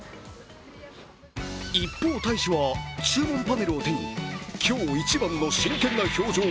一方、大使は注文パネルを手に今日一番の真剣な表情。